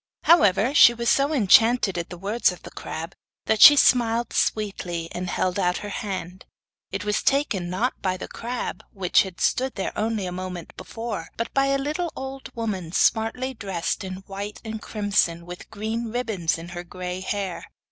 However, she was so enchanted at the words of the crab that she smiled sweetly and held out her hand; it was taken, not by the crab, which had stood there only a moment before, but by a little old woman smartly dressed in white and crimson with green ribbons in her grey hair.